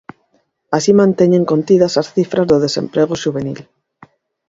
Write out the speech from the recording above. Así manteñen contidas as cifras do desemprego xuvenil.